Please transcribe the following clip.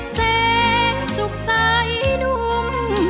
แสงสุขใสหนุ่ม